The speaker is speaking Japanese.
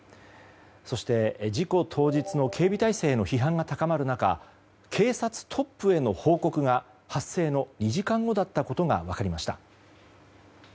そして、事故当日の警備体制の批判が高まる中警察トップへの報告が発生の２時間後だったことが分かりました。